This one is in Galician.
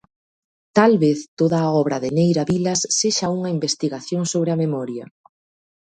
Talvez toda a obra de Neira Vilas sexa unha investigación sobre a memoria.